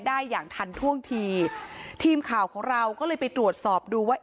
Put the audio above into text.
ได้อย่างทันท่วงทีทีมข่าวของเราก็เลยไปตรวจสอบดูว่า